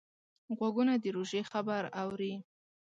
غوږونه د روژې خبر اوري